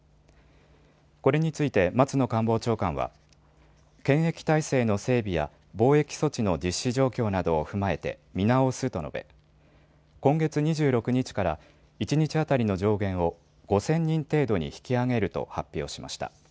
これについて松野官房長官は検疫体制の整備や防疫措置の実施状況などを踏まえて見直すと述べ、今月２６日から一日当たりの上限を５０００人程度に引き上げると発表しました。